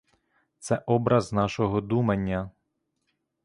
Це образ нашого думання.